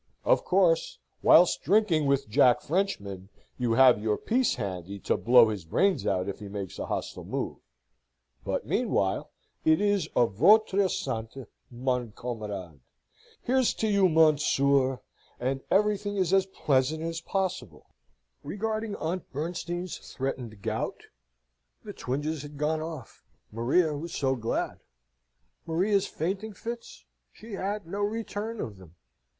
Of course, whilst drinking with Jack Frenchman, you have your piece handy to blow his brains out if he makes a hostile move: but, meanwhile, it is A votre sante, mon camarade! Here's to you, mounseer! and everything is as pleasant as possible. Regarding Aunt Bernstein's threatened gout? The twinges had gone off. Maria was so glad! Maria's fainting fits? She had no return of them.